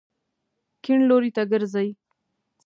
کیڼ لوري ته ګرځئ